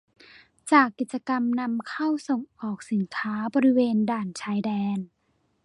จากกิจกรรมนำเข้าส่งออกสินค้าบริเวณด่านชายแดน